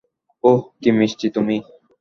ওহ, কী মিষ্টি তুমি!